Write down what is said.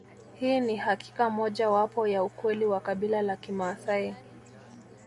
Hii ni hakika moja wapo ya ukweli wa kabila ya Kimaasai